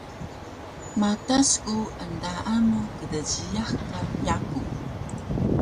Matas ku endaan mu kdjiyax ka yaku